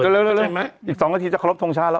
จัดเลยอีก๒สักทีจะขอรกษ์ท่องชาติแล้ว